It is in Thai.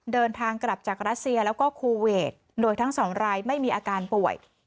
เดินทางกลับจากรัสเซียแล้วก็คูเวทโดยทั้งสองรายไม่มีอาการป่วย